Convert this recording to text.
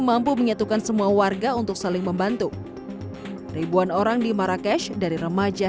mampu menyatukan semua warga untuk saling membantu ribuan orang di marrakesh dari remaja